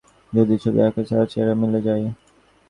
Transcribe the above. যদি ছবির সাথে তার চেহারা মিলে যায়।